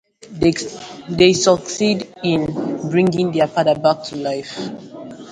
They succeed in bringing their father back to life.